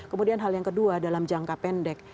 kemudian hal yang kedua dalam jangka pendek